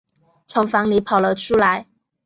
从房里跑了出来